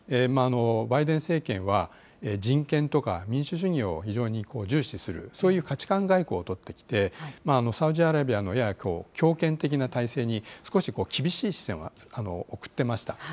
バイデン政権は、人権とか、民主主義を非常に重視する、そういう価値観外交を取ってきて、サウジアラビアのやや強権的な体制に少し厳しい視線を送ってました。